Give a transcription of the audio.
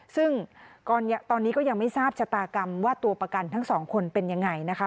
ซึ่งตอนนี้ก็ยังไม่ทราบชะตากรรมว่าตัวประกันทั้งสองคนเป็นยังไงนะคะ